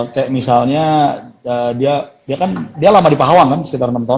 kayak misalnya dia kan dia lama di pahawang kan sekitar enam tahun